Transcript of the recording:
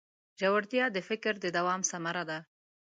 ژورتیا د فکر د دوام ثمره ده.